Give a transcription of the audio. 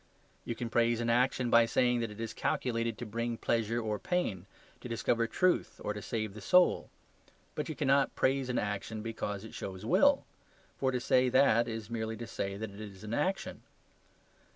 You can praise an action by saying that it is calculated to bring pleasure or pain to discover truth or to save the soul. But you cannot praise an action because it shows will; for to say that is merely to say that it is an action.